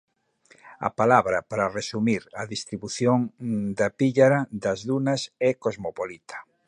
A palabra para resumir a distribución da píllara das dunas é cosmopolita.